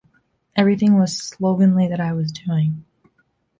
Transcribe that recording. Everything was slovenly that I was doing.